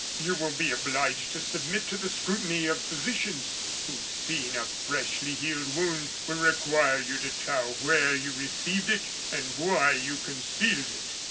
You will be obliged to submit to the scrutiny of physicians, who, seeing a freshly healed wound, will require you to tell where you received it, and why you concealed it.